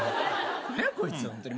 何やこいつホントに。